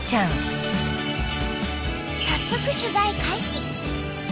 早速取材開始！